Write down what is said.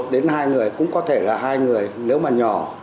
đến hai người cũng có thể là hai người nếu mà nhỏ